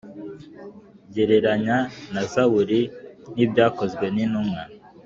gereranya na zaburi n ibyakozwe ni ntumwa